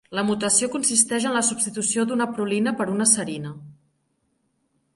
La mutació consisteix en la substitució d'una prolina per una serina.